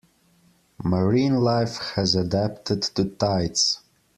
Marine life has adapted to tides.